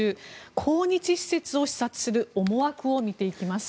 抗日施設を視察する思惑を見ていきます。